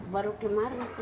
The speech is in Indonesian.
baru kemarin sih